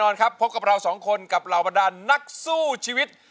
ลูกทุ่งสู้ชีวิต